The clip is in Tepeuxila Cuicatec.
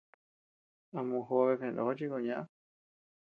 A mojobe kanó chi koʼö ñaʼä.